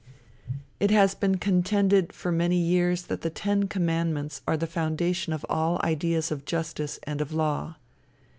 It has been contended for many years that the ten commandments are the foundation of all ideas of justice and of law.